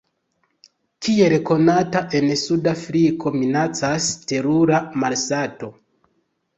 Kiel konate, en suda Afriko minacas terura malsato.